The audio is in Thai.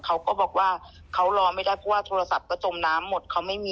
เขาก็บอกว่าเขารอไม่ได้เพราะว่าโทรศัพท์ก็จมน้ำหมดเขาไม่มี